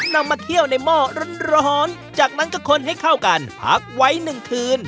นำมาเคี่ยวในหม้อร้อนจากนั้นก็คนให้เข้ากันพักไว้หนึ่งคืน